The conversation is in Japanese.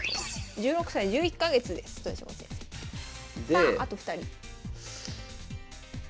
さああと２人。